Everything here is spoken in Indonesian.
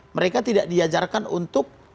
mereka tidak diajarkan untuk